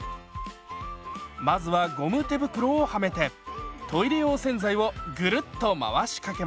まずはゴム手袋をはめてトイレ用洗剤をぐるっと回しかけます。